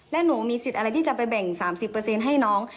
และหนูมีสิทธิ์อะไรที่จะไปแบ่ง๓๐ให้น้อง